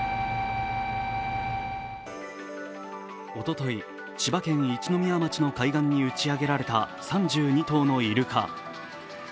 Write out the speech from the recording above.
おととい、千葉県一宮町の海岸に打ちあげられた３２頭のイルカ。